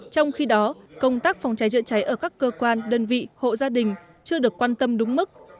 trong khi đó công tác phòng cháy chữa cháy ở các cơ quan đơn vị hộ gia đình chưa được quan tâm đúng mức